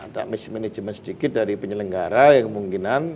ada mismanagement sedikit dari penyelenggara yang kemungkinan